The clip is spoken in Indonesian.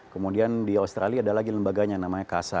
kemudian di australia ada lagi lembaganya namanya kasa